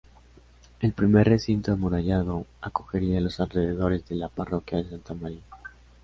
El primer recinto amurallado acogería los alrededores de la parroquia de Santa María.